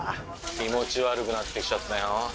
気持ち悪くなってきちゃったよ。